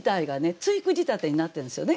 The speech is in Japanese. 対句仕立てになってるんですよね。